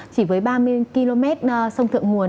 chỉ với ba mươi km sông thượng nguồn